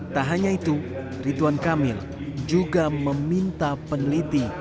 tak hanya itu rituan kamil juga meminta peneliti